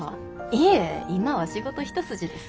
いえ今は仕事一筋です。